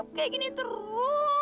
nup kayak gini terus